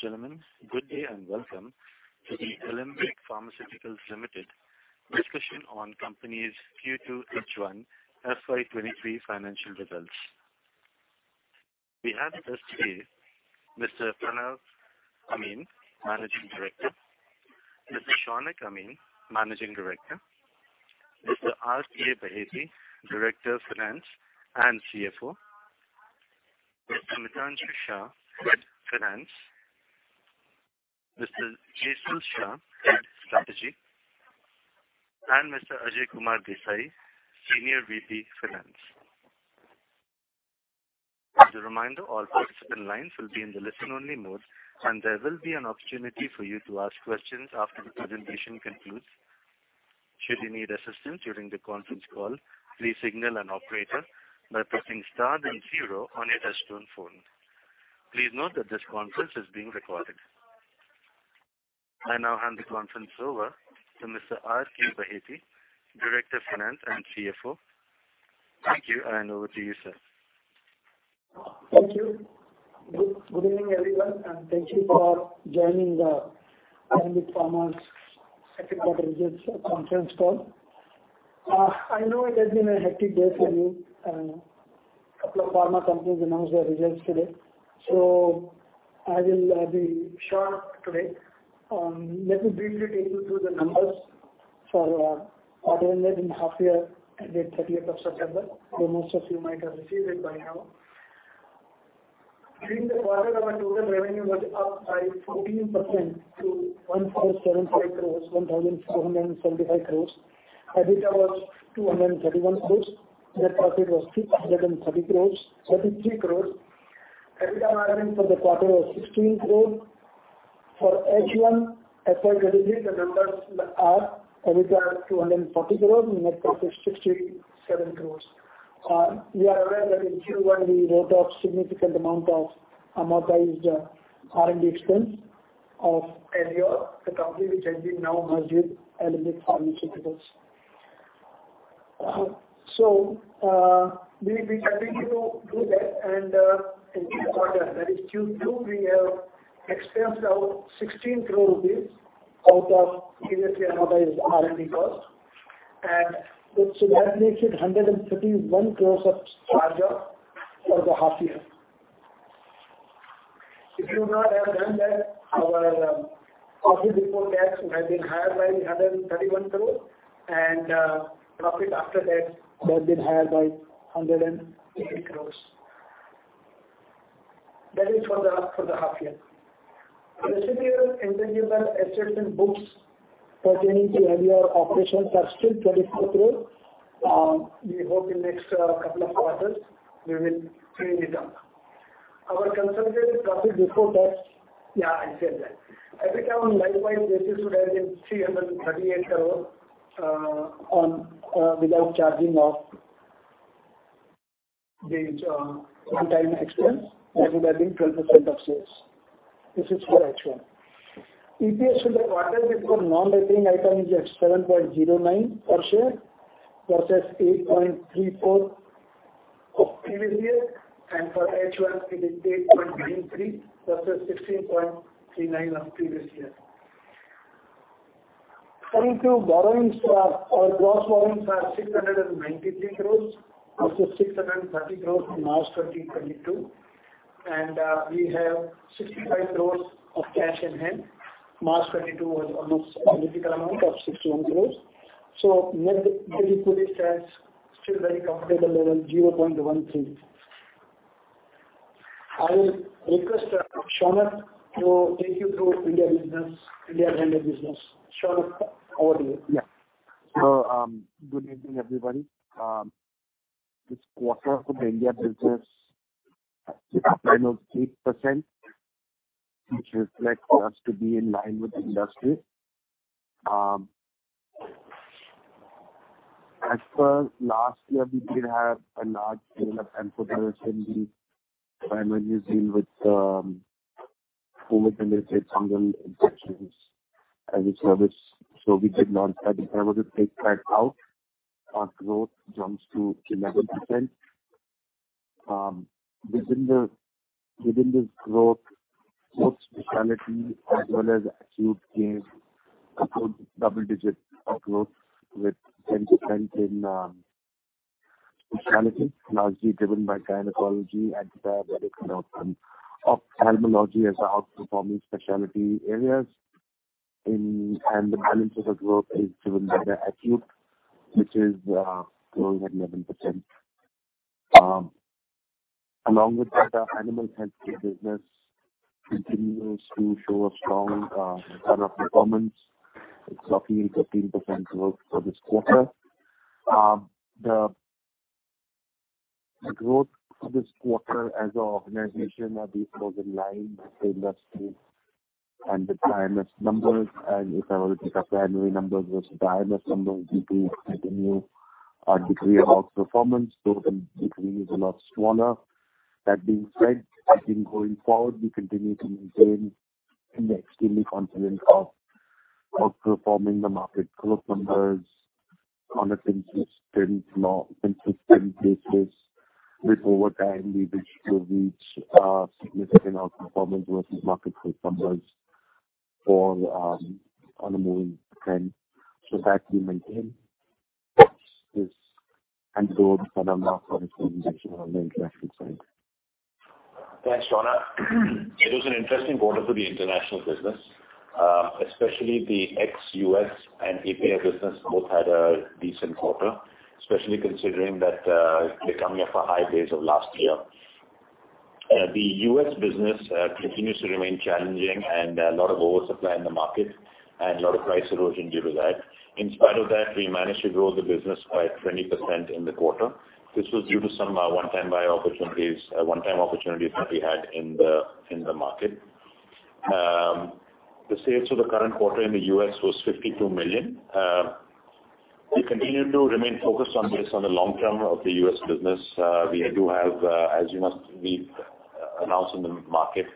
Ladies and gentlemen, good day and welcome to the Alembic Pharmaceuticals Limited discussion on company's Q2 H1 FY 2023 financial results. We have with us today Mr. Pranav Amin, Managing Director, Mr. Shaunak Amin, Managing Director, Mr. R. K. Baheti, Director of Finance and CFO, Mr. Mitanshu Shah, Finance, Mr. Jesal Shah, Head-Strategy, and Mr. Ajay Kumar Desai, Senior VP Finance. As a reminder, all participant lines will be in the listen only mode, and there will be an opportunity for you to ask questions after the presentation concludes. Should you need assistance during the conference call, please signal an operator by pressing star then zero on your touchtone phone. Please note that this conference is being recorded. I now hand the conference over to Mr. R. K. Baheti, Director Finance and CFO. Thank you, and over to you, sir. Thank you. Good evening, everyone, and thank you for joining the Alembic Pharmaceuticals' second quarter results conference call. I know it has been a hectic day for you. A couple of pharma companies announced their results today. I will be short today. Let me briefly take you through the numbers for what we made in the half year ended thirtieth of September, where most of you might have received it by now. During the quarter, our total revenue was up by 14% to 1,475 crores. EBITDA was 231 crores. Net profit was sixty-three crores. EBITDA margin for the quarter was 16%. For H1 FY 2023, the numbers are EBITDA 240 crores, net profit 67 crores. You are aware that in Q1 we wrote off significant amount of amortized R&D expense of Aleor, the company which has been now merged with Alembic Pharmaceuticals. We continue to do that and in Q1 that is Q2, we have expensed out 16 crore rupees out of previously amortized R&D costs. That makes it 131 crore of charge off for the half year. If we would not have done that, our profit before tax would have been higher by 131 crore and profit after tax would have been higher by 180 crore. That is for the half year. The remaining intangible assets in books pertaining to Aleor operations are still 24 crore. We hope in next couple of quarters we will clean it up. Our consolidated profit before tax. Yeah, I said that. EBITDA on like-for-like basis would have been INR 338 crore on without charging of these one-time expense and would have been 12% of sales. This is for H1. EPS for the quarter before non-recurring item is at 7.09 per share versus 8.34 of previous year. For H1, it is 8.93 versus 16.39 of previous year. Turning to borrowings, gross borrowings are 693 crore up from 630 crore March 2022, and we have 65 crore of cash in hand. March 2022 was almost a similar amount of 61 crore. So net debt to equity stands still very comfortable level 0.13. I will request Shaunak to take you through India business, India branded business. Shaunak, over to you. Yeah. Good evening, everybody. This quarter for the India business 8%, which reflects us to be in line with industry. As per last year, we did have a large build-up and with COVID-related fungal infections as a factor. We did not have to take that out. Our growth jumps to 11%. Within this growth, both specialty as well as acute gained a good double-digit growth with 10% in specialty, largely driven by gynecology, anti-diabetic and ophthalmology as outperforming specialty areas. The balance of the growth is driven by the acute, which is growing at 11%. Along with that, our animal healthcare business continues to show a strong run of performance. It's 13% growth for this quarter. The growth for this quarter as an organization, I believe, was in line with the industry and the IMS numbers. If I were to take up January numbers versus IMS numbers, we do continue our degree of outperformance, though the degree is a lot smaller. That being said, I think going forward, we continue to maintain extreme confidence of outperforming the market growth numbers on a consistent basis, over time, we wish to reach significant outperformance versus market for some on a moving trend so that we maintain this and grow Pranav Amin product on the international side. Thanks, Shaunak Amin. It was an interesting quarter for the international business, especially the ex-U.S. and API business both had a decent quarter, especially considering that they're coming off the high base of last year. The U.S. business continues to remain challenging and a lot of oversupply in the market and a lot of price erosion due to that. In spite of that, we managed to grow the business by 20% in the quarter. This was due to some one-time opportunities that we had in the market. The sales for the current quarter in the U.S. Was $52 million. We continue to remain focused on the long term of the U.S. business. We do have, as you must have read, announced in the market,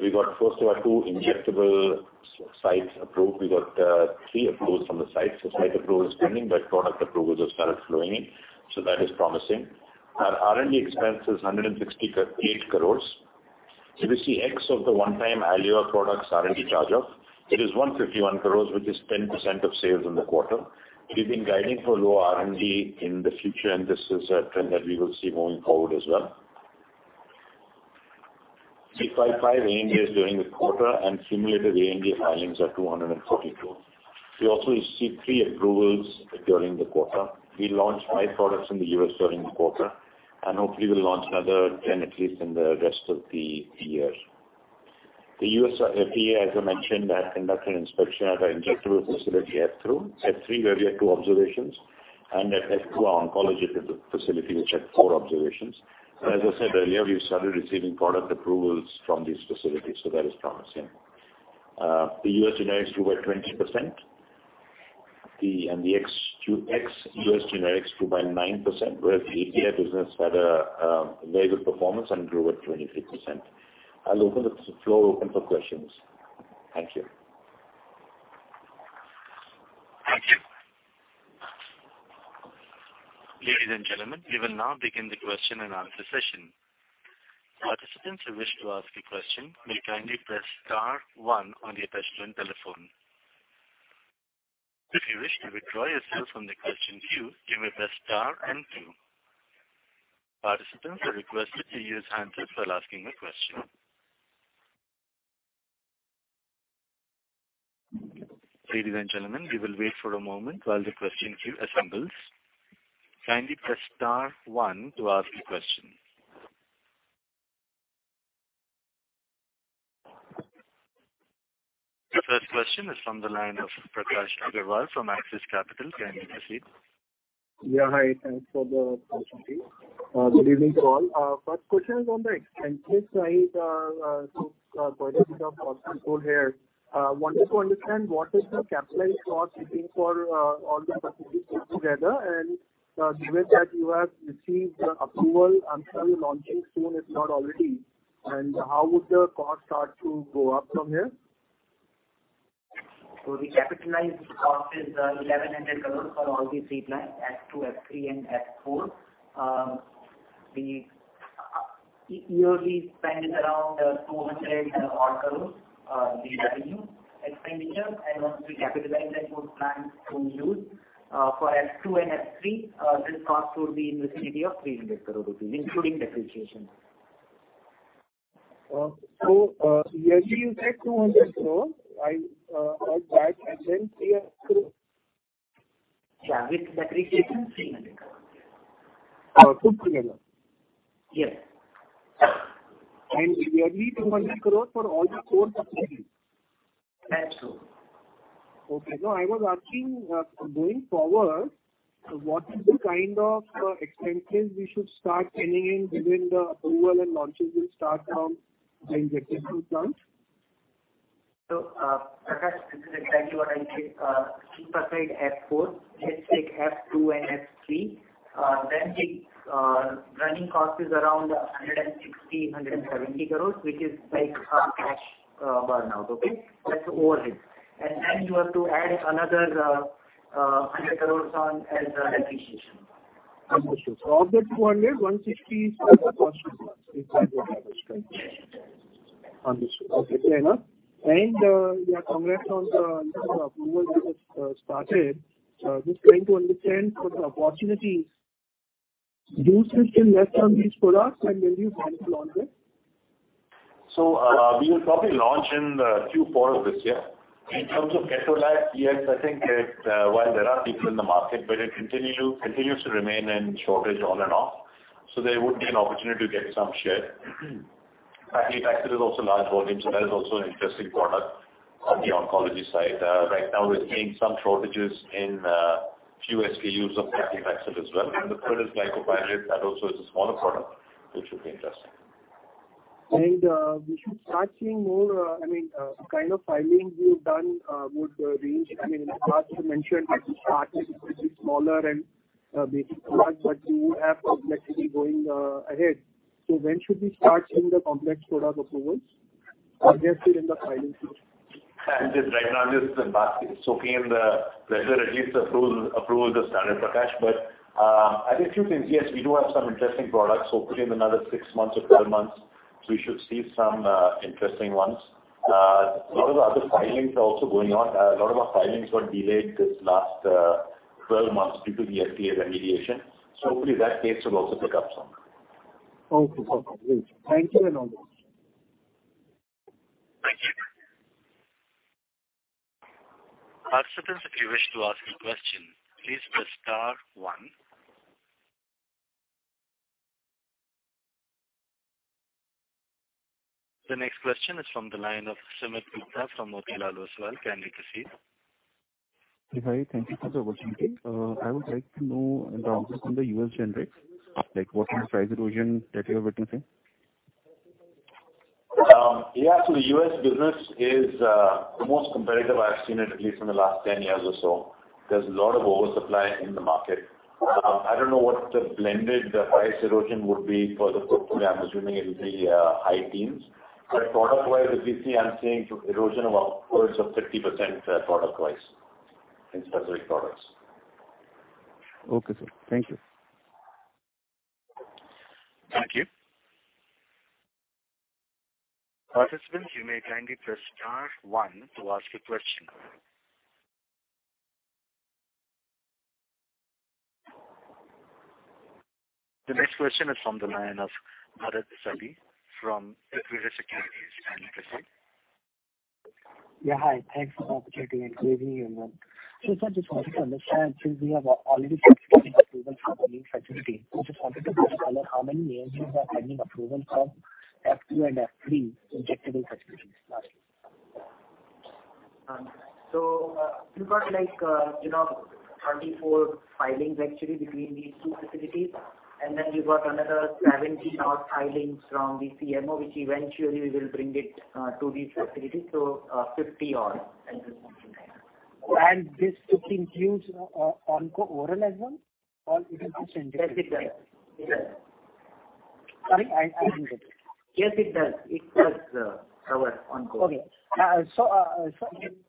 we got first of our two injectable sites approved. We got three approvals from the sites. The site approval is pending, but product approvals have started flowing in, so that is promising. Our R&D expense is 168 crores. If you see ex of the one-time Aleor product R&D charge, it is 151 crores, which is 10% of sales in the quarter. We've been guiding for low R&D in the future, and this is a trend that we will see moving forward as well. We filed five ANDAs during the quarter and cumulative ANDA filings are 242. We also received three approvals during the quarter. We launched five products in the U.S. during the quarter, and hopefully we'll launch another 10 at least in the rest of the year. The USFDA, as I mentioned, has conducted inspection at our injectable facility, F3. F3, where we had two observations, and at F2, our oncology facility, which had four observations. As I said earlier, we've started receiving product approvals from these facilities. That is promising. The U.S. Generics grew by 20%. The ex-US Generics grew by 9%, whereas the API business had a very good performance and grew at 23%. I'll open the floor for questions. Thank you. Thank you. Ladies and gentlemen, we will now begin the question and answer session. Participants who wish to ask a question may kindly press star one on your touchtone telephone. If you wish to withdraw yourself from the question queue, you may press star and two. Participants are requested to use handset while asking a question. Ladies and gentlemen, we will wait for a moment while the question queue assembles. Kindly press star one to ask your question. The first question is from the line of Prakash Agarwal from Axis Capital. Kindly proceed. Yeah, hi. Thanks for the opportunity. Good evening to all. First question is on the expenses side, so for the sake of possibility here, wanted to understand what is the capitalized cost ceiling for all the facilities put together and, given that you have received the approval and shall be launching soon, if not already, and how would the cost start to go up from here? The capitalized cost is 1,100 crores for all these three plants, F2, F3 and F4. The yearly spend is around 200-odd crores, the revenue expenditure. Once we capitalize that for planned full use, for F2 and F3, this cost will be in vicinity of 300 crore rupees, including depreciation. Yearly you said 200 crores. I add that against the F2. Yeah, with depreciation, 300 crores. Put together? Yes. Yearly 200 crores for all the four facilities. That's true. Okay. No, I was asking, going forward, what is the kind of, expenses we should start pinning in between the approval and launches will start from the injectable plants? Prakash, this is exactly what I said. Keep aside F4. Let's take F2 and F3. The running cost is around 160-170 crores, which is like a cash burnout. Okay? That's the overhead. You have to add another 100 crores on as depreciation. Understood. Of the 200, 160 is cost of launch. Understood. Okay, fair enough. Yeah, congrats on the approvals which have started. Just trying to understand from the opportunities, those which are in U.S. on these products and when you plan to launch it? We will probably launch in Q4 of this year. In terms of Etoposide, yes, I think it, while there are players in the market, but it continues to remain in shortage on and off, so there would be an opportunity to get some share. Paclitaxel is also large volume, so that is also an interesting product on the oncology side. Right now we're seeing some shortages in few SKUs of Paclitaxel as well. The third is Glipizide. That also is a smaller product, which should be interesting. We should start seeing more, I mean, kind of filings you've done, would range. I mean, in the past you mentioned that you started a bit smaller and basic products, but you have complexity going ahead. When should we start seeing the complex product approvals? Or they are still in the filing stage? Just right now, just the basket. We are pleased at least to approve the standard, Prakash. I think a few things, yes, we do have some interesting products. Hopefully in another six months or 12 months, we should see some interesting ones. A lot of other filings are also going on. A lot of our filings got delayed this last 12 months due to the FDA remediation. Hopefully that pace will also pick up some. Okay. Great. Thank you and all the best. Thank you. Participants, if you wish to ask a question, please press star one. The next question is from the line of Siddhartha Khemka from Motilal Oswal. Kindly proceed. Hi. Thank you for the opportunity. I would like to know the outlook on the U.S. generics, like what's the price erosion that you are witnessing? The U.S. business is the most competitive I've seen it, at least in the last 10 years or so. There's a lot of oversupply in the market. I don't know what the blended price erosion would be for the portfolio. I'm assuming it will be high teens. Product wise, if you see, I'm seeing erosion of upwards of 50%, product wise in specific products. Okay, sir. Thank you. Thank you. Participants, you may kindly press star one to ask a question. The next question is from the line of Bharat Shah from ASK Group. Kindly proceed. Yeah. Hi. Thanks for the opportunity and good evening everyone. I just wanted to understand, since we have already approval for building facility, I just wanted to know how many ANDAs are pending approval from F2 and F3 injectable facilities. You've got like, you know, 34 filings actually between these two facilities. You've got another 70-odd filings from the CMO, which eventually will bring it to these facilities. 50-odd at this point in time. This could include onco oral as well or it will be centric? Yes, it does. Sorry, I didn't get you. Yes, it does. It does cover onco. If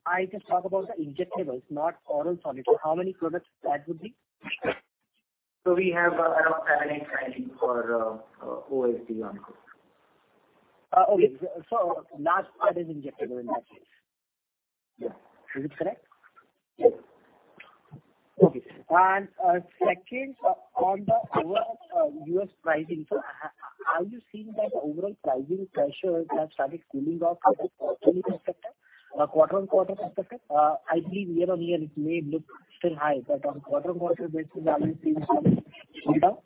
I just talk about the injectables, not oral solids, how many products that would be? We have around 7-8 filings for OSD oncology. Large part is injectable in that case. Yes. Is it correct? Yes. Okay. Second, on the overall U.S. pricing, so how are you seeing that the overall pricing pressures have started cooling off from a quarterly perspective, quarter-over-quarter perspective? I believe year-over-year it may look still high, but on quarter-over-quarter basis, are you seeing some cool down?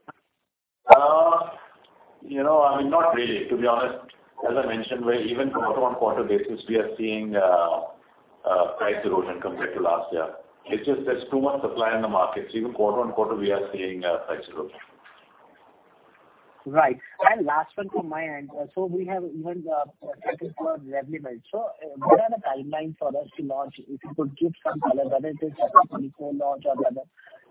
You know, I mean, not really, to be honest. As I mentioned, we're even on a quarter-on-quarter basis seeing price erosion compared to last year. It's just there's too much supply in the market. Even quarter-on-quarter we are seeing price erosion. Right. Last one from my end. We have even started Revlimid. What are the timelines for us to launch? If you could give some color whether it is launch or whether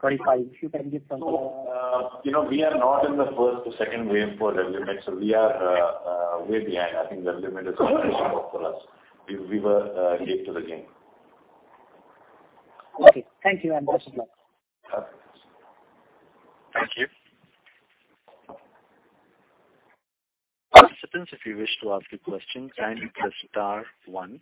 25, if you can give some You know, we are not in the first or second wave for Revlimid, so we are way behind. I think Revlimid is for us. We were late to the game. Okay. Thank you and best of luck. Okay. Thank you. Participants, if you wish to ask a question, kindly press star one.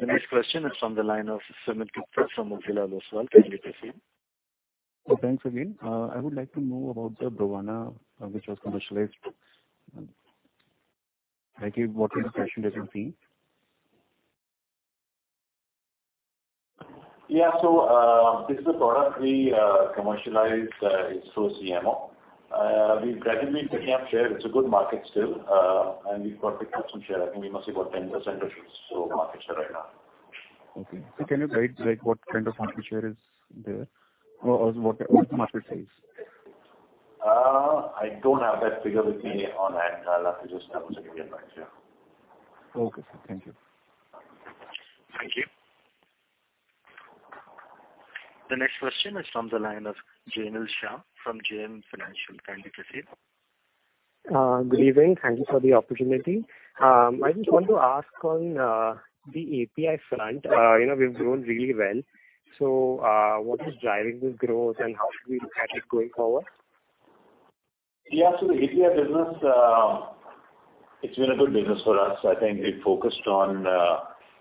The next question is from the line of Siddhartha Khemka from Motilal Oswal. Kindly proceed. Thanks again. I would like to know about the Brovana, which was commercialized. Like, what is the traction that you're seeing? Yeah. This is a product we commercialized through CMO. We've gradually been picking up share. It's a good market still. We've got a good share. I think we must have about 10% or so market share right now. Okay. Can you guide like what kind of market share is there or what the market size? I don't have that figure with me on hand. I'll have to just double-check and get back to you. Okay, sir. Thank you. Thank you. The next question is from the line of Jainil Shah from JM Financial. Kindly proceed. Good evening. Thank you for the opportunity. I just want to ask on the API front, you know, we've grown really well. What is driving this growth and how should we look at it going forward? Yeah. The API business, it's been a good business for us. I think we focused on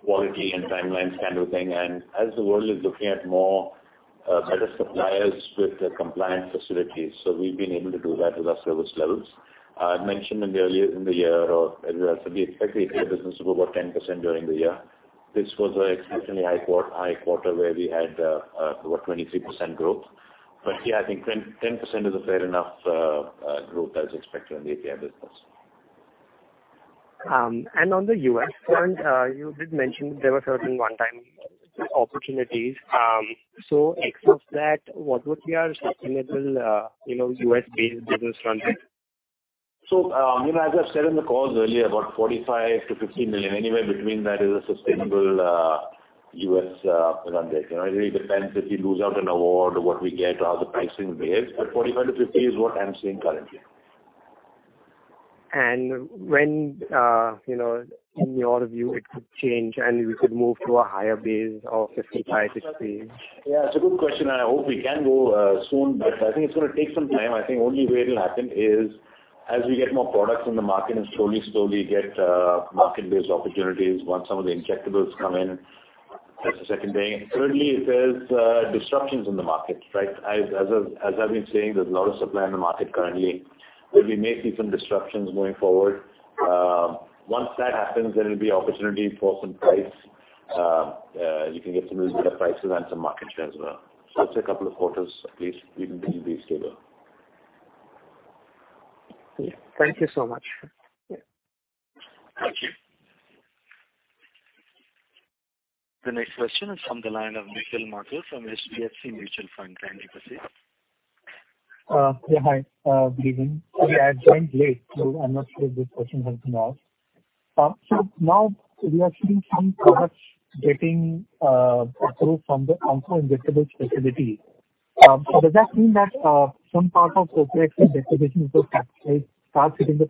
quality and timelines kind of thing. As the world is looking at more better suppliers with the compliance facilities. We've been able to do that with our service levels. I mentioned in the year as well. We expect the API business to grow about 10% during the year. This was an exceptionally high quarter where we had about 23% growth. Yeah, I think 10% is a fair enough growth that is expected in the API business. On the U.S. front, you did mention there were certain one-time opportunities. Except that, what would be our sustainable, you know, U.S.-based business run rate? You know, as I said in the calls earlier, about $45 million-$50 million, anywhere between that is a sustainable U.S. run-rate base. You know, it really depends if we lose out an award, what we get, how the pricing behaves. $45 million-$50 million is what I'm seeing currently. When, you know, in your view it could change and we could move to a higher base of 55-60? Yeah, it's a good question. I hope we can go soon, but I think it's gonna take some time. I think only way it'll happen is as we get more products in the market and slowly get market-based opportunities once some of the injectables come in. That's the second thing. Thirdly, if there's disruptions in the market, right? As I've been saying, there's a lot of supply in the market currently, where we may see some disruptions going forward. Once that happens, there will be opportunity for some price. You can get some little better prices and some market share as well. It's a couple of quarters at least we can be stable. Thank you so much. Yeah. Thank you. The next question is from the line of Nikhil Mathew from HDFC Mutual Fund. Kindly proceed. Good evening. Sorry, I joined late, so I'm not sure if this question has been asked. Now we are seeing some products getting approved from the oncology injectable facility. Does that mean that some part of CAPEX's depreciation will capitalize, start hitting the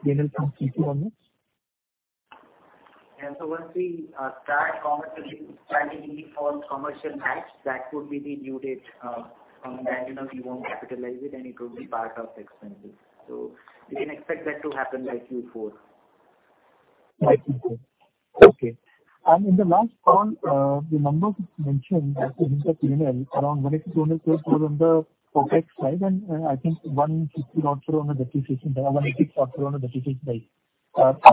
P&L from Q2 onwards? Once we start commercially starting any form of commercial batch, that would be the new date. From then, you know, we won't capitalize it, and it will be part of expenses. You can expect that to happen by Q4. By Q4. Okay. In the last call, the numbers mentioned as against the P&L, around INR 160-200 crores on the CAPEX side, and I think 160 odd crores on the depreciation side or 180 odd crores on the depreciation side. Are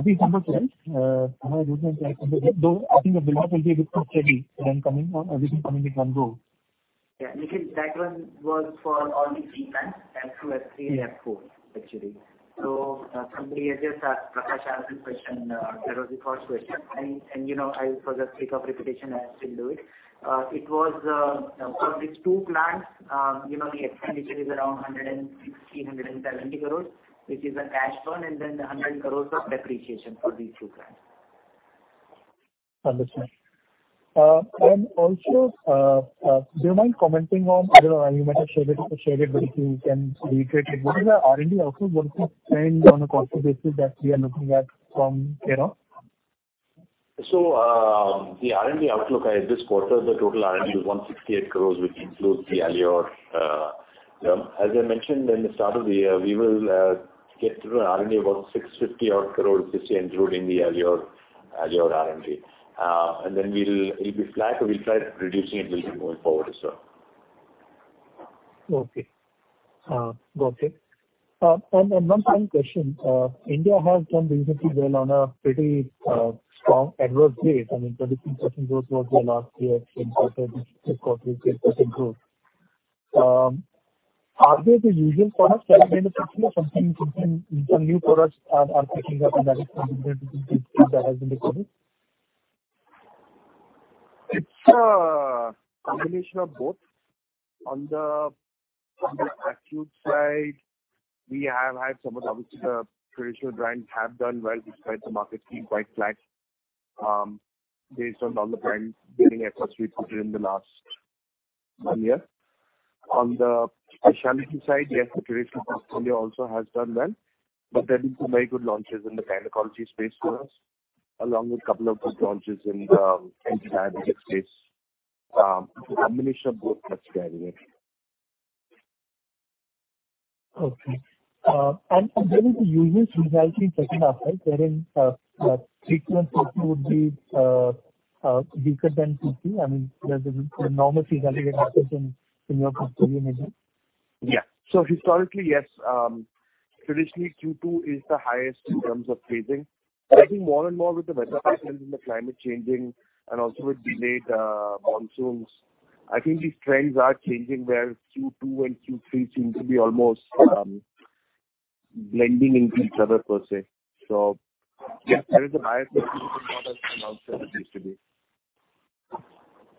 these numbers right? I know it was mentioned, though I think the build-up will be a bit more steady than coming or everything coming in one go. Yeah. Nikhil, that one was for only three plants. That's through F3 and F4 actually. Somebody had just asked. Prakash asked this question. That was the first question. You know, I for the sake of repetition, I'll still do it. It was for these two plants. You know, the expenditure is around 160-170 crores, which is a cash burn, and then 100 crores of depreciation for these two plants. Understand. Also, do you mind commenting on, I know you might have shared it, but if you can reiterate it, what is the R&D outlook, what we spend on a constant basis that we are looking at from here on? The R&D outlook, this quarter, the total R&D was 168 crores, which includes the Aleor term. As I mentioned in the start of the year, we will get through an R&D about 650-odd crores this year, including the Aleor R&D. And then it'll be flat or we'll try reducing it little bit going forward as well. Okay. Got it. One final question. India has done very well recently on a pretty strong harvest phase. I mean, 13% growth was there last year, same quarter this quarter is 10% growth. Are they the usual products that have been the push or something, some new products are picking up and that is contributing to the growth that has been recorded? It's a combination of both. On the acute side, we have had somewhat obviously the traditional brands have done well despite the market being quite flat, based on all the brand building efforts we put in the last one year. On the specialty side, yes, the traditional portfolio also has done well, but there have been some very good launches in the gynecology space for us, along with couple of good launches in the anti-diabetic space. It's a combination of both that's driving it. Okay. Generally the usual seasonality sets in after wherein Q2 and Q4 would be weaker than Q3. I mean, there's an enormous seasonality that happens in your portfolio, right? Yeah. Historically, yes. Traditionally Q2 is the highest in terms of phasing. I think more and more with the weather patterns and the climate changing and also with delayed monsoons, I think these trends are changing where Q2 and Q3 seem to be almost blending into each other per se. Yeah, there is a higher seasonality than what has been observed previously.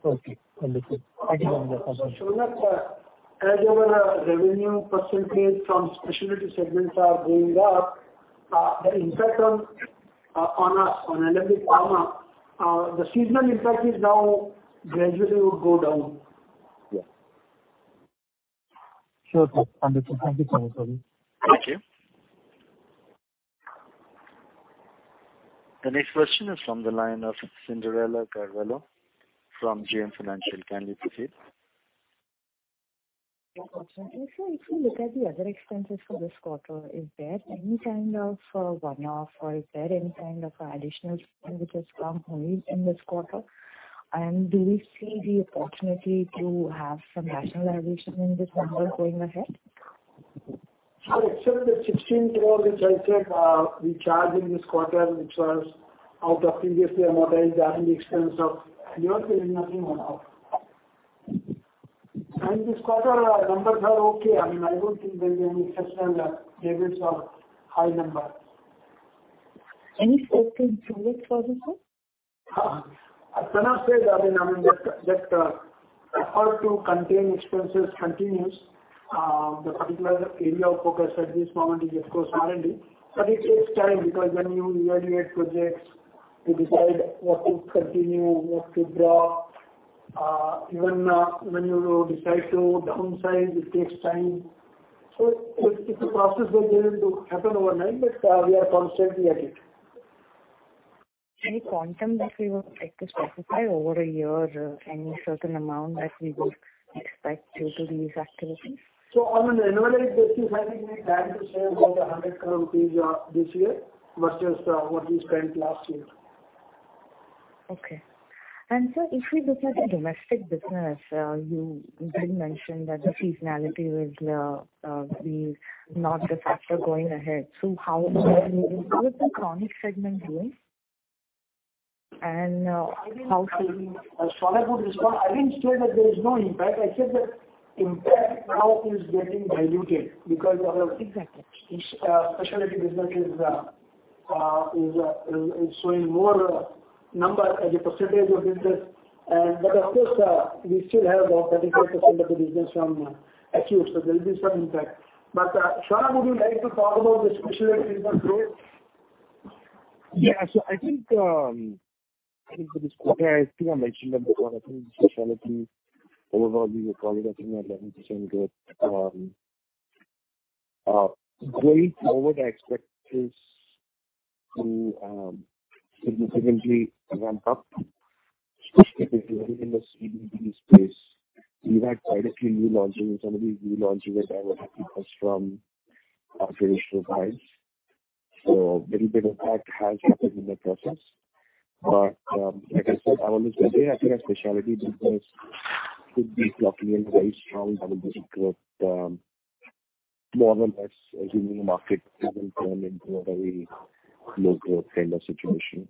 Okay. Understood. Thank you. Shaunak, as our revenue percentage from specialty segments are going up, the impact on Alembic Pharma, the seasonal impact is now gradually would go down. Yeah. Sure. Understood. Thank you so much, Shaunak Amin. Thank you. The next question is from the line of Cyndrella Carvalho from JM Financial. Kindly proceed. If we look at the other expenses for this quarter, is there any kind of one-off or is there any kind of additional spend which has come home in this quarter? Do we see the opportunity to have some rationalization in this number going ahead? Except the 16 crores which I said we charged in this quarter, which was out of previously amortized R&D expense. You're seeing nothing one-off. This quarter, our numbers are okay. I mean, I don't think there'll be any exceptional debits or high numbers. Any scope to improve it, sir? I cannot say that. I mean, that effort to contain expenses continues. The particular area of focus at this moment is of course R&D. It takes time because when you evaluate projects, you decide what to continue, what to drop. Even when you decide to downsize, it takes time. It's a process which doesn't happen overnight, but we are constantly at it. Any quantum that we would like to specify over a year, any certain amount that we would expect due to these activities? On an annual basis, I think we plan to save about 100 crore this year versus what we spent last year. Okay. Sir, if we look at the domestic business, you did mention that the seasonality will be not the factor going ahead. How chronic segment doing? How to- Shaunak Amin would respond. I didn't say that there is no impact. I said that impact now is getting diluted because our- Exactly. Specialty business is showing more number as a percentage of business. Of course, we still have about 34% of the business from acute. There will be some impact. Shaunak Amin, would you like to talk about the specialty business growth? Yeah. I think for this quarter, I think I mentioned that before. I think the specialty overall, we were probably looking at 11% growth. Going forward, I expect this to significantly ramp up, especially in the CVD space. We've had quite a few new launches, and some of these new launches are diverting us from our traditional guides. Little bit of that has happened in the process. Like I said, I wouldn't say, I think our specialty business could be clocking in very strong double-digit growth, more or less assuming the market doesn't turn into a very low growth kind of situation.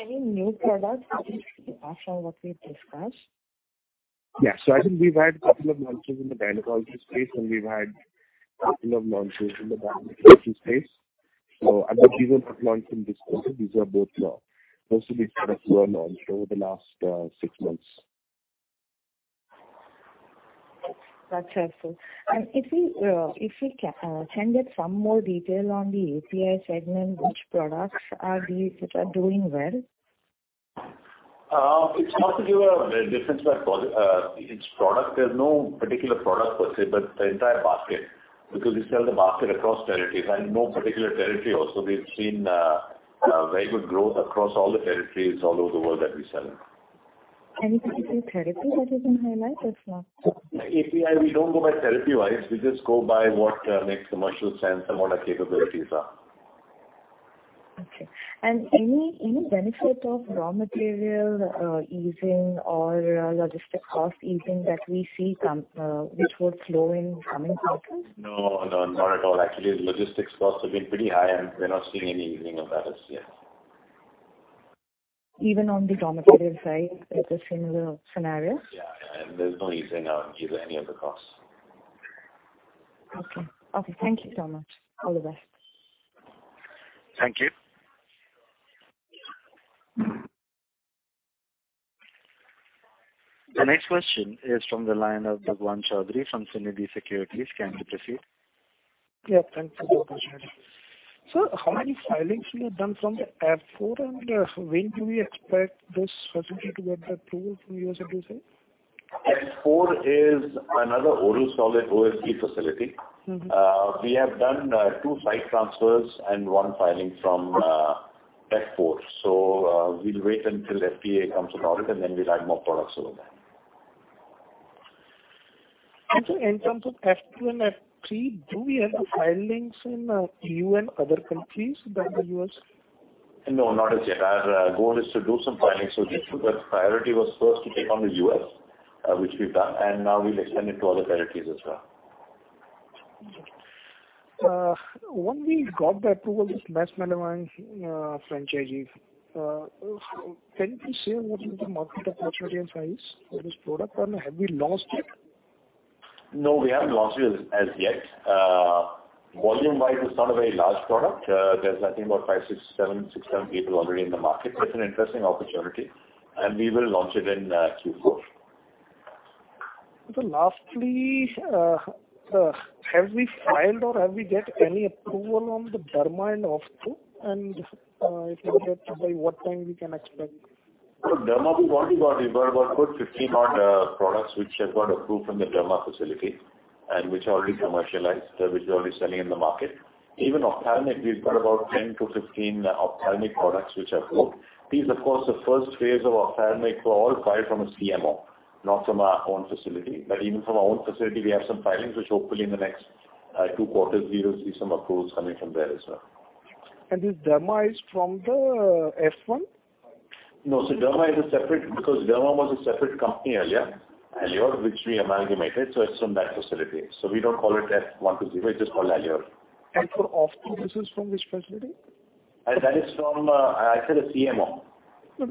Any new products after what we've discussed? Yeah. I think we've had couple of launches in the gynecology space, and we've had couple of launches in the dermatology space. I think these are both launching this quarter. These are both, mostly we kind of launched over the last, six months. Gotcha, sir. If we can get some more detail on the API segment, which products are these which are doing well? It's hard to give a difference by each product. There's no particular product per se, but the entire basket. Because we sell the basket across territories and no particular territory also. We've seen very good growth across all the territories all over the world that we sell in. Any particular therapy that you can highlight or not? API, we don't go by therapy-wise. We just go by what makes commercial sense and what our capabilities are. Okay. Any benefit of raw material easing or logistics cost easing that we see coming in the coming quarters? No, no, not at all. Actually, the logistics costs have been pretty high, and we're not seeing any easing of that as yet. Even on the raw material side, it's a similar scenario? Yeah, yeah. There's no easing on either any of the costs. Okay. Okay, thank you so much. All the best. Thank you. The next question is from the line of Bhagwan Chowdhary from Sunidhi Securities. Can you proceed? Yeah, thanks for the opportunity. How many filings you have done from the F4, and when do we expect this facility to get the approval from USFDA? F4 is another oral solid OSD facility. Mm-hmm. We have done 2 site transfers and 1 filing from F4. We'll wait until FDA comes aboard, and then we'll add more products over there. Sir, in terms of F2 and F3, do we have the filings in E.U. and other countries than the U.S.? No, not as yet. Our goal is to do some filings with these two, but priority was first to take on the U.S., which we've done, and now we'll extend it to other territories as well. When we got the approval with Mesalamine franchise, can you say what is the market opportunity and size for this product? Or have we launched it? No, we haven't launched it as yet. Volume-wise, it's not a very large product. There's I think about five, six, seven people already in the market. It's an interesting opportunity, and we will launch it in due course. Lastly, have we filed or have we get any approval on the dermatology and ophthalmology? If we get, by what time we can expect? For derma, we've already got a good 15 odd products which have got approved from the derma facility and which are already commercialized, which are already selling in the market. Even ophthalmic, we've got about 10-15 ophthalmic products which have booked. These, of course, the first phase of ophthalmic were all filed from a CMO, not from our own facility. Even from our own facility, we have some filings which hopefully in the next two quarters we will see some approvals coming from there as well. This derma is from the H1? No. Derma is a separate. Because derma was a separate company earlier, Aleor, which we amalgamated, so it's from that facility. We don't call it F one-three. We just call Aleor. For ophthalmology, this is from which facility? I said a CMO. Our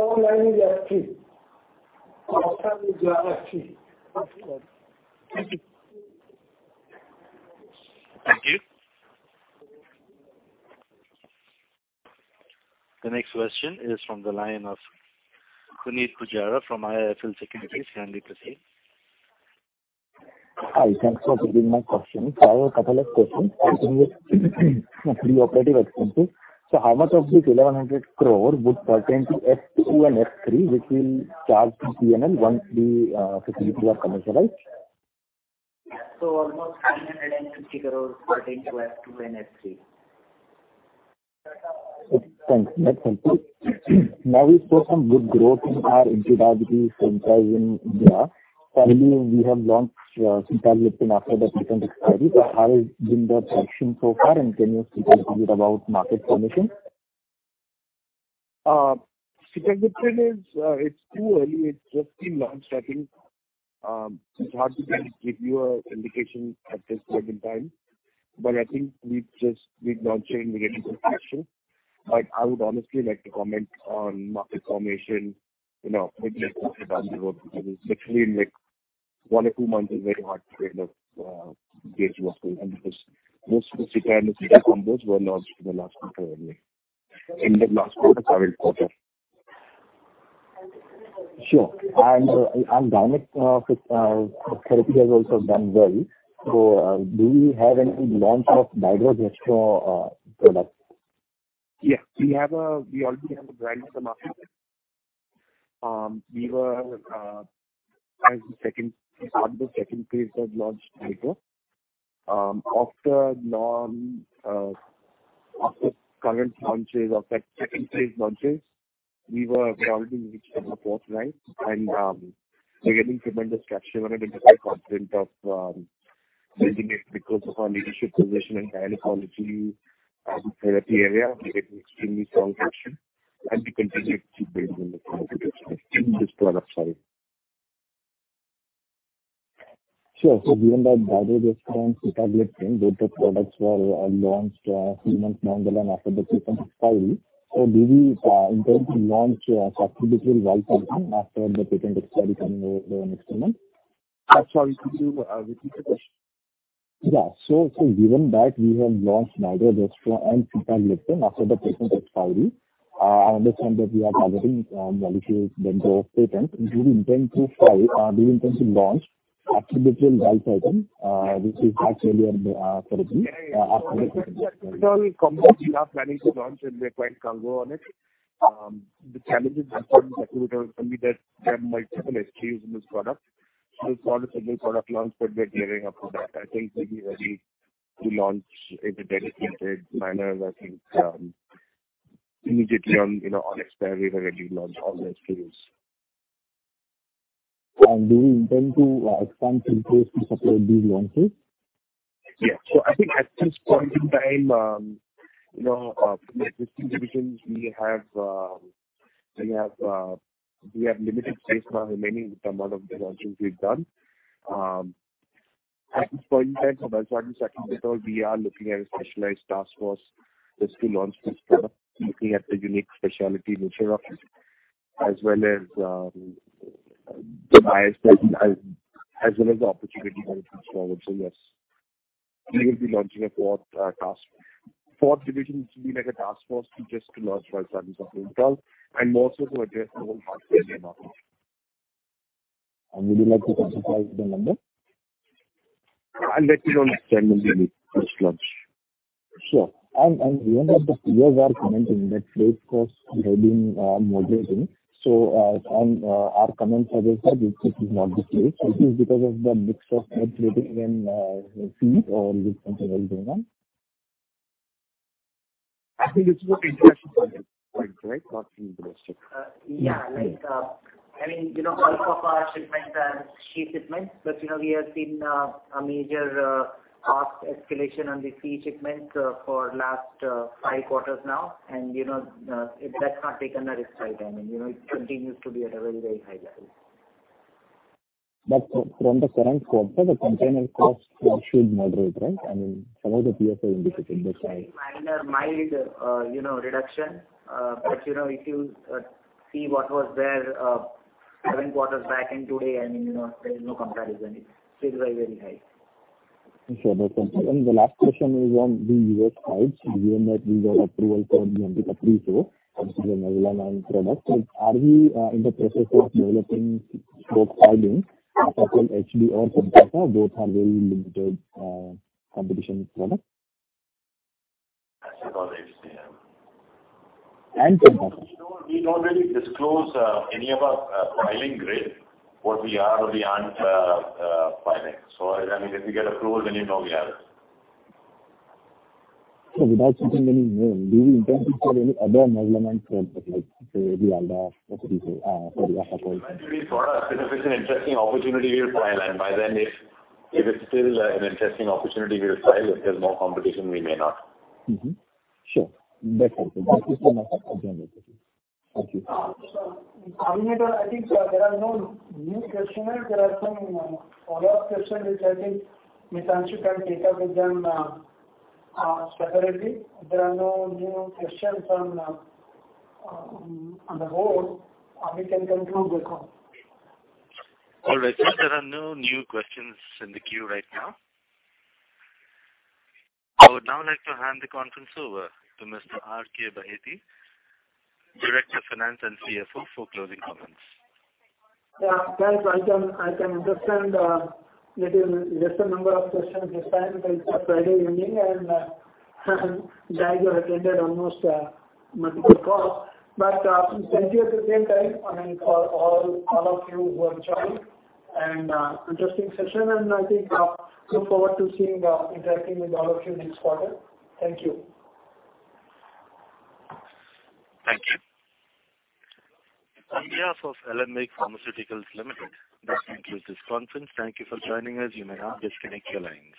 own line is F3. Thank you. Thank you. The next question is from the line of Kunal Pujara from IIFL Securities. You can proceed. Hi. Thanks for taking my question. I have a couple of questions on pre-operative expenses. How much of this 1,100 crore would pertain to F2 and F3, which will charge the P&L once the facilities are commercialized? Almost 350 crores pertain to F2 and F3. Thanks. That's helpful. Now we saw some good growth in our anti-diabetic franchise in India. Finally, we have launched Sitagliptin after the patent expiry. How has been the traction so far, and can you speak a bit about market formation? Sitagliptin is too early. It's just been launched, I think. It's hard to give you an indication at this point in time. I think we've just launched it and we're getting some traction. I would honestly like to comment on market formation, you know, hopefully after some time because literally in, like, one or two months, it's very hard to kind of gauge what will. Because most of the Sitagliptin combos were launched in the last quarter only. In the last quarter, current quarter. Sure. Gynecology therapy has also done well. Do we have any launch in our Gastro products? Yes. We already have a brand in the market. We were as the second part of the second phase that launched earlier. Of the current launches of that second phase launches, we were probably reaching the fourth line. We're getting tremendous traction on it. Because the context of building it because of our leadership position in diabetology therapy area, we're getting extremely strong traction. We continue to keep building the product in this product side. Sure. Given that Vildagliptin and Sitagliptin, both the products were launched three months longer than after the patent expiry, so do we intend to launch subsequent trial version after the patent expiry coming over the next few months? Sorry, could you repeat the question? Given that we have launched Vildagliptin and Sitagliptin after the patent expiry, I understand that we are targeting valuable window of patent. Do we intend to launch attribute trial version, which is actually on the therapy. We are planning to launch, and we are quite gung-ho on it. The challenges we found actually were only that there are multiple SKUs in this product. It's not a single product launch, but we are clearing up the data. I think we'll be ready to launch in a dedicated manner. I think, immediately on, you know, on expiry, we're ready to launch all the SKUs. Do we intend to expand capacity to support these launches? Yeah. I think at this point in time, you know, with this division we have limited space now remaining with the amount of the launches we've done. At this point in time, that's why I'm saying because we are looking at a specialized task force just to launch this product, looking at the unique specialty nature of it, as well as the bias as well as the opportunity going forward. Yes, we will be launching a fourth division to be like a task force to launch while serving some internal and more so to address the whole market in the market. Would you like to clarify the number? I'll let you know next time when we first launch. Sure. You know that the peers are commenting that freight costs have been moderating. Our comments are also that this is not the case. Is it because of the mix of freight and fees or is something else going on? I think it's more international. Right. Right. Yeah. Like, I mean, you know, all of our shipments are sea shipments. You know, we have seen a major cost escalation on the sea shipments for the last five quarters now. That's not taken a rest. You know, it continues to be at a very, very high level. From the current quarter, the container cost should moderate, right? I mean, some of the peers are indicating that. Minor, mild, you know, reduction. You know, if you see what was there seven quarters back and today, I mean, you know, there is no comparison. It's still very, very high. Sure. That's helpful. The last question is on the U.S. pipeline, given that we got approval for the Mesalamine, which is a Mesalamine product. Are we in the process of developing both filings, Asacol HD or Lialda? Both are very limited competition product. Asacol HD, yeah. Lialda. We don't really disclose any of our filing grid, what we are or we aren't filing. I mean, if you get approved then you know we have it. Without speaking any name, do you intend to file any other Mesalamine products like say the Lialda or? product. If it's an interesting opportunity, we'll file. By then if it's still an interesting opportunity, we'll file. If there's no competition, we may not. Mm-hmm. Sure. That's helpful. Thank you. I mean, I think there are no new questions. There are some follow-up questions which I think, Nitin, you can take up with them separately. There are no new questions from on the board. We can conclude the call. All right. There are no new questions in the queue right now. I would now like to hand the conference over to Mr. R.K. Baheti, Director of Finance and CFO, for closing comments. Yeah. Guys, I can understand that there's lesser number of questions this time because it's a Friday evening and guys who have attended almost multiple calls. Thank you at the same time, I mean, for all of you who have joined and interesting session and I think look forward to seeing interacting with all of you next quarter. Thank you. Thank you. This is Alembic Pharmaceuticals Limited. This concludes this conference. Thank you for joining us. You may now disconnect your lines.